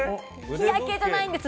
日焼けじゃないんです。